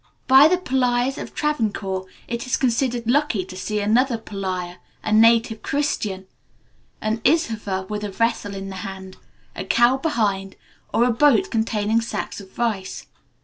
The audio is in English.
By the Pulayas of Travancore, it is considered lucky to see another Pulaya, a Native Christian, an Izhuva with a vessel in the hand, a cow behind, or a boat containing sacks of rice.